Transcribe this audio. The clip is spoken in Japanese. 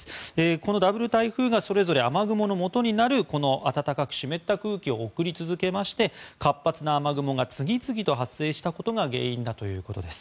このダブル台風がそれぞれ雨雲のもとになる暖かく湿った空気を送り続けまして、活発な雨雲が次々と発生したことが原因だということです。